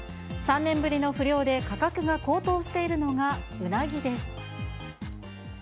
３年ぶりの不漁で価格が高騰しているのがうなぎです。